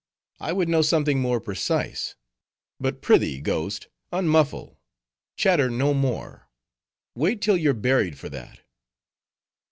I would know something more precise. But, prithee, ghost, unmuffle! chatter no more! wait till you're buried for that."